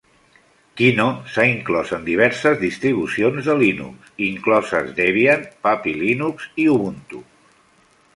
Kino s'ha inclòs en diverses distribucions de Linux, incloses Debian, Puppy Linux i Ubuntu.